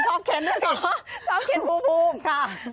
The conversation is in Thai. ชอบเคนด้วยสิภูมิค่ะชอบเคน